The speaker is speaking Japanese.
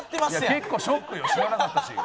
結構ショックよ。